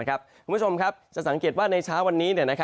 คุณผู้ชมครับจะสังเกตว่าในเช้าวันนี้